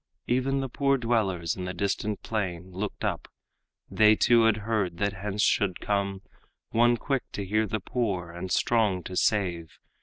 Even the poor dwellers in the distant plain Looked up; they too had heard that hence should come One quick to hear the poor and strong to save.